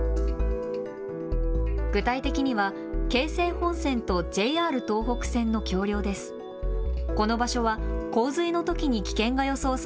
具体的には京成本線とＪＲ東北線の橋りょうです。